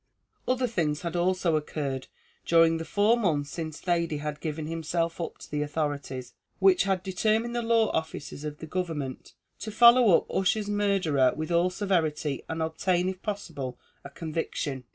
Other things had also occurred during the four months since Thady had given himself up to the authorities, which had determined the law officers of the government to follow up Ussher's murderer with all severity, and obtain if possible a conviction.